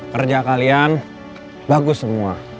kerja kalian bagus semua